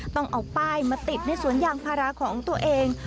ต้องเอาป้ายมาติดในสวนยางพาราของตัวเอง